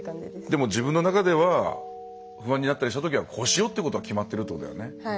でも、自分の中では不安になったりしたときにはこうしようってことは決まってるってことだよね。